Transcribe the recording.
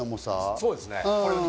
そうですね。